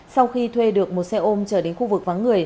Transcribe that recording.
sau khi thuê được một xe ôm trở đến khu vực vắng người